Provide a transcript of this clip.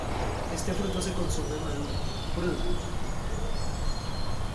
Este fruto se consume maduro, crudo.